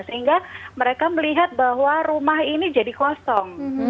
sehingga mereka melihat bahwa rumah ini jadi kosong